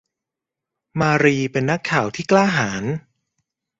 มารีเป็นนักข่าวที่กล้าหาญ